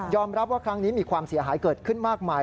รับว่าครั้งนี้มีความเสียหายเกิดขึ้นมากมาย